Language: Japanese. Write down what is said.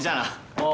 おう。